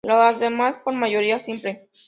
Las demás, por mayoría simple.